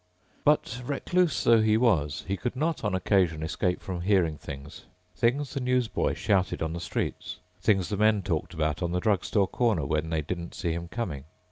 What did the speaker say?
But recluse though he was, he could not on occasion escape from hearing things. Things the newsboy shouted on the streets, things the men talked about on the drugstore corner when they didn't see him coming.